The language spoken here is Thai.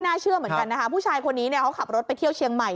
น่าเชื่อเหมือนกันนะคะผู้ชายคนนี้เนี่ยเขาขับรถไปเที่ยวเชียงใหม่